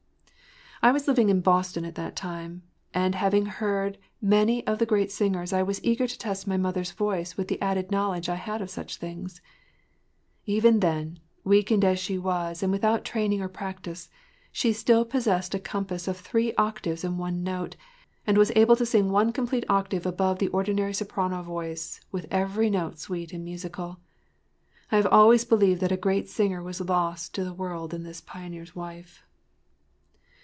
I was living in Boston at that time, and having heard many of the great singers I was eager to test my mother’s voice with the added knowledge I had of such things. Even then, weakened as she was and without training or practice, she still possessed a compass of three octaves and one note, and was able to sing one complete octave above the ordinary soprano voice with every note sweet and musical. I have always believed that a great singer was lost to the world in this pioneer’s wife.